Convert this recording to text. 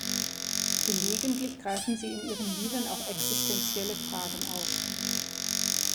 Gelegentlich greifen sie in ihren Liedern auch existenzielle Fragen auf.